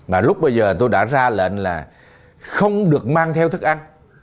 mà lúc bây giờ tôi đã ra lệnh là không được mang theo thức ăn